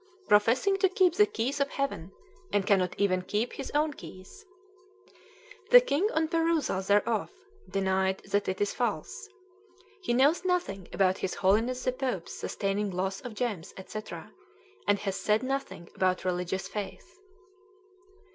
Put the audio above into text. professing to keep the keys of Heaven, and cannot even keep his own keys!"' "The king on perusal thereof denied that it is false. He knows nothing about his Holiness the Pope's sustaining loss of gems, &c., and has said nothing about religious faith."